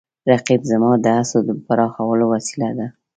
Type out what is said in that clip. رقیب زما د هڅو د پراخولو وسیله ده